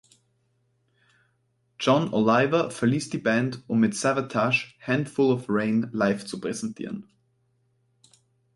Jon Oliva verließ die Band um mit Savatage "Handful of Rain" live zu präsentieren.